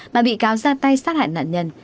mà bị cáo ra tay sát hại nạn nhân